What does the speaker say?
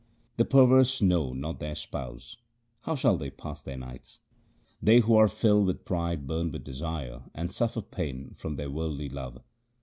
The perverse know not their Spouse ; how shall they pass their nights ? They who are filled with pride burn with desire, and suffer pain from their worldly love.